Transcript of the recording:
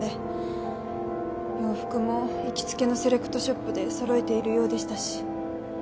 洋服も行きつけのセレクトショップでそろえているようでしたし。